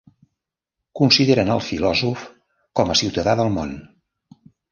Consideren al filòsof com a ciutadà del món.